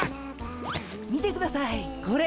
見てくださいこれ。